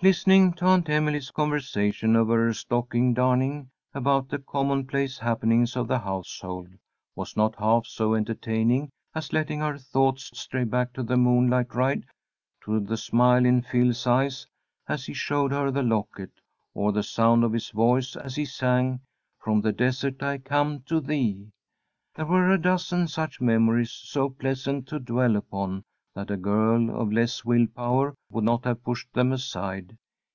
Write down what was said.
Listening to Aunt Emily's conversation over her stocking darning, about the commonplace happenings of the household, was not half so entertaining as letting her thoughts stray back to the moonlight ride, to the smile in Phil's eyes as he showed her the locket, or the sound of his voice as he sang, "From the desert I come to thee." There were a dozen such memories, so pleasant to dwell upon that a girl of less will power would not have pushed them aside.